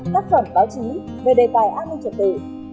tác phẩm báo chí về đề tài an ninh trật tự